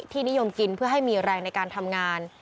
นิยมกินเพื่อให้มีแรงในการทำงาน